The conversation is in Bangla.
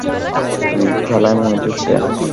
তুই খেলায় মনোযোগ দে!